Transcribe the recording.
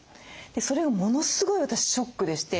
それがものすごい私ショックでして。